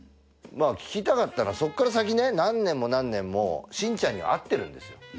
聞きたかったのはそこから先ね何年も何年もシンちゃんに会ってるんですよ。